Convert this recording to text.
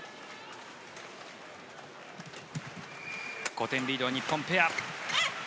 ５点リードは日本ペア。